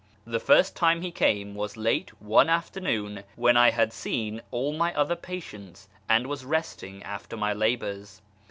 The first time he came was late one after noon, when I had seen all my other patients, and was resting after my labours.